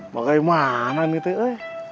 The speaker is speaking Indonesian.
bagaimana nih tete